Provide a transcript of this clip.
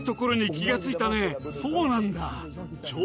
そうなんだ。